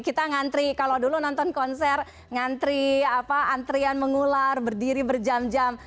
kita ngantri kalau dulu nonton konser ngantri antrian mengular berdiri berjam jam